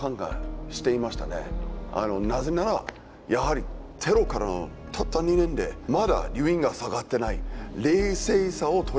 なぜならやはりテロからたった２年でまだ留飲が下がってない冷静さを取り戻してない。